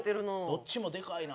どっちもでかいな。